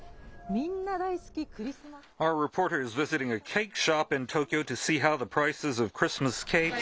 みんな大好き、クリスマスケーキ。